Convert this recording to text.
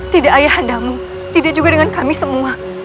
tidak ayahandamu tidak juga dengan kami semua